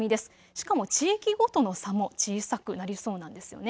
しかも地域ごとの差も小さくなりそうなんです。